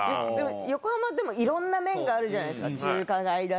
横浜はでもいろんな面があるじゃないですか。